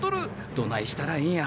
どないしたらええんや。